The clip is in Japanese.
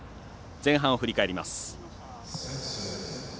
前半を振り返ります。